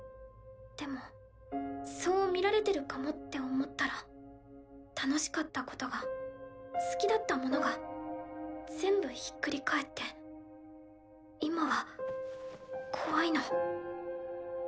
でもそう見られてるかもって思ったら楽しかったことが好きだったものが全部ひっくり返って今は怖いの。